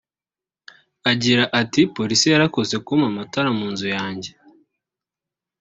Agira ati “Polisi yarakoze kumpa amatara mu nzu yanjye